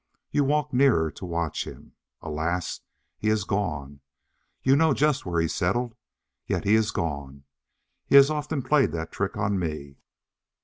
You walk nearer, to watch him. Alas! he is gone. You know just where he settled, yet he is gone! He has often played that trick on me.